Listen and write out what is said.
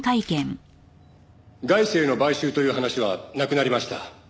外資への買収という話はなくなりました。